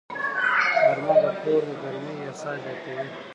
غرمه د کور د ګرمۍ احساس زیاتوي